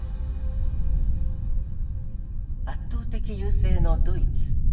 圧倒的優勢のドイツ。